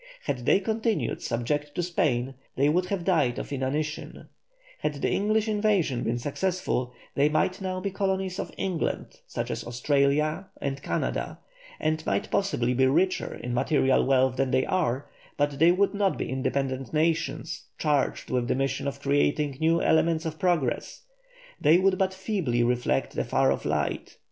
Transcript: Had they continued subject to Spain, they would have died of inanition; had the English invasion been successful, they might now be colonies of England, such as Australia and Canada, and might possibly be richer in material wealth than they are, but they would not be independent nations, charged with the mission of creating new elements of progress; they would but feebly reflect a far off light.